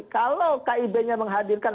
kalau kib nya menghadirkan